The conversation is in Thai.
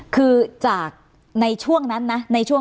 คือแต่ในช่วงนั้นน่ะ